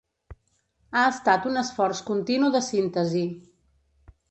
Ha estat un esforç continu de síntesi.